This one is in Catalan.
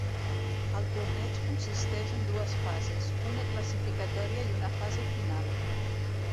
El torneig consisteix en dues fases: una classificatòria i una fase final.